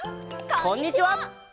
こんにちは！